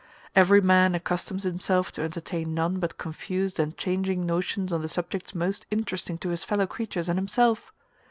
Every man accustoms himself to entertain none but confused and changing notions on the subjects most interesting to his fellow creatures and himself.